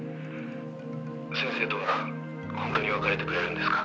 「先生とは本当に別れてくれるんですか？」